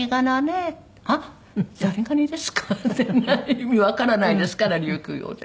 意味わからないですから琉球語で。